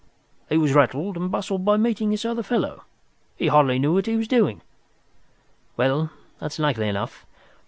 "He was rattled and bustled by meeting this other fellow. He hardly knew what he was doing." "Well, that's likely enough.